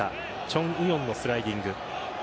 チョン・ウヨンのスライディング。